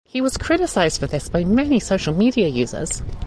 He was criticised for this by many social media users.